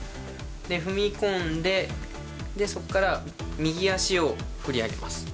踏み込んでそこから右足を振り上げます。